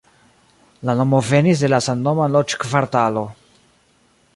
La nomo venis de la samnoma loĝkvartalo.